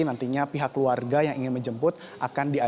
nantinya pihak keluarga yang ingin menjemput akan diajukan